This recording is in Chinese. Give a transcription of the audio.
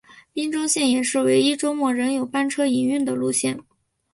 宾州线也是唯一周末仍有班车营运的路线。